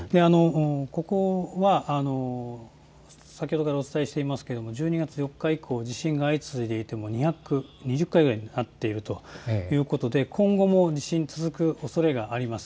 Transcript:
ここは先ほどからお伝えしていますように１２月４日以降、地震が２０回起きているということで今後も地震が続くおそれがあります。